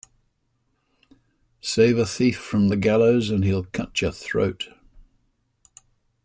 Save a thief from the gallows and he will cut your throat.